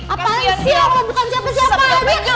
apaan sih lo bukan siapa siapa aja